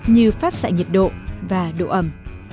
như phát xạ nhiệt độ và độ ẩm